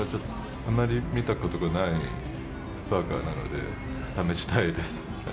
あんまり見たことがないバーガーなので、試したいです。